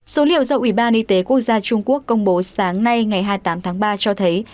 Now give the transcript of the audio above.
số liệu do ủy ban y tế quốc gia trung quốc công bố sáng nay ngày hai mươi tám tháng ba cho thấy